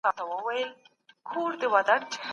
که زه بېدېدم نو تاسي ما مه بېدوئ.